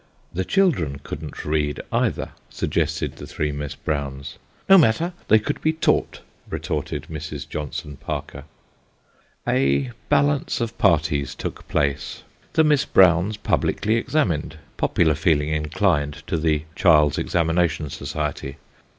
The children couldn't read either, suggested the throe Miss Browns. No matter ; they could bo taught, retorted Mrs. Johnson Parker. A balance of parties took place. The Miss Browns publicly examined popular feeling inclined to the child's examination society.